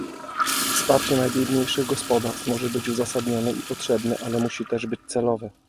Wsparcie najbiedniejszych gospodarstw może być uzasadnione i potrzebne, ale musi też być celowe